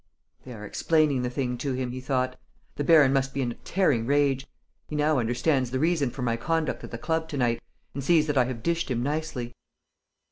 "They are explaining the thing to him," he thought. "The baron must be in a tearing rage. He now understands the reason for my conduct at the club to night and sees that I have dished him nicely.